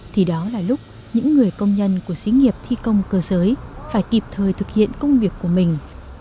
thì đó là lúc những người công nhân của xí nghiệp thi công cơ giới phải kịp thời thực hiện công việc của mình